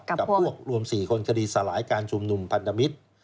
กับพวกรวม๔คนคดีสลายการชุมนุมพันธมิตร